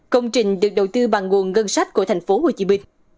công trình được đầu tư bằng nguồn ngân sách của tp hcm